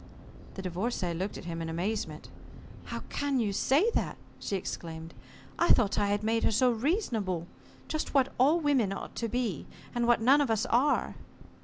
The Divorcée looked at him in amazement. "How can you say that?" she exclaimed. "I thought I had made her so reasonable. Just what all women ought to be, and what none of us are."